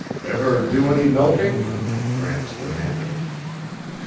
"Ever do any milking?" Gramps demanded.